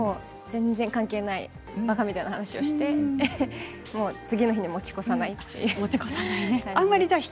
全然関係ないばかみたいな話をして次の日に持ち越さないということです。